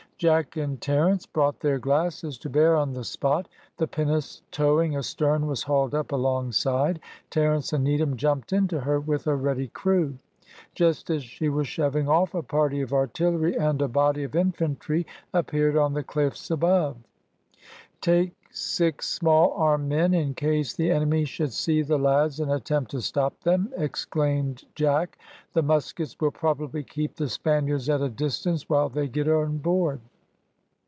Jack and Terence brought their glasses to bear on the spot. The pinnace towing astern was hauled up alongside. Terence and Needham jumped into her with a ready crew. Just as she was shoving off a party of artillery and a body of infantry appeared on the cliffs above. "Take six small arm men, in case the enemy should see the lads and attempt to stop them," exclaimed Jack; "the muskets will probably keep the Spaniards at a distance while they get on board."